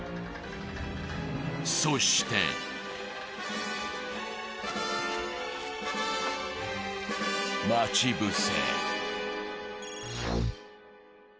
そして、待ち伏せ。